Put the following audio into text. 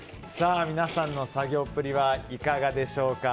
皆さんの作業っぷりはいかがでしょうか。